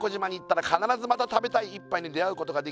「必ずまた食べたい一杯に出会うことができ」